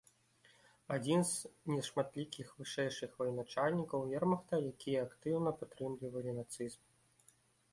Адзін з нешматлікіх вышэйшых военачальнікаў вермахта, якія актыўна падтрымлівалі нацызм.